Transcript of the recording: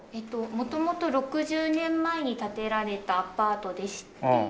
元々６０年前に建てられたアパートでして。